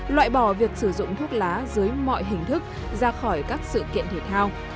loại bỏ việc sử dụng thuốc lá dưới mọi hình thức ra khỏi các sự kiện thể thao